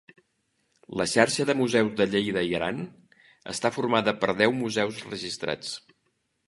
La Xarxa de Museus de Lleida i Aran està formada per deu museus registrats.